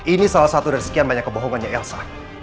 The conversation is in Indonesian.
ini salah satu dari sekian banyak kebohongannya elsa